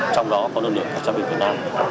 trong đó có đơn điểm của trang bình việt nam